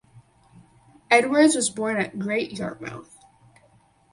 Edwards was born at Great Yarmouth.